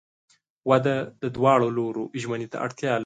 • واده د دواړو لورو ژمنې ته اړتیا لري.